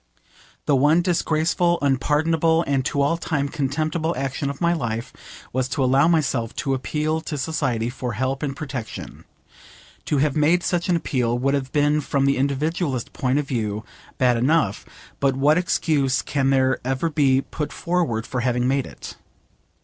The one disgraceful, unpardonable, and to all time contemptible action of my life was to allow myself to appeal to society for help and protection. To have made such an appeal would have been from the individualist point of view bad enough, but what excuse can there ever be put forward for having made it?